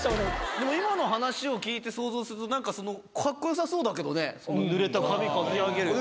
でも今の話を聞いて想像するとなんかその格好良さそうだけどね濡れた髪かき上げる